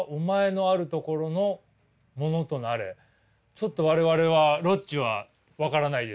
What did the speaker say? ちょっと我々はロッチは分からないです。